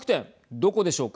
どこでしょうか。